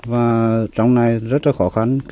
và trong này rất là khó khăn